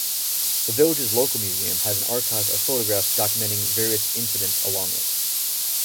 The village's local museum has an archive of photographs documenting various incidents along it.